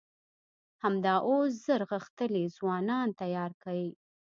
همدا اوس زر غښتلي ځوانان تيار کئ!